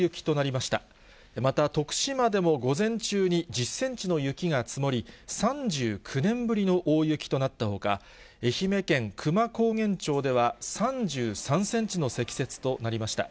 また徳島でも午前中に１０センチの雪が積もり、３９年ぶりの大雪となったほか、愛媛県久万高原町では３３センチの積雪となりました。